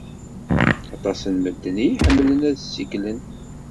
Aṭas n medden i iḥemmlen ad ssiklen.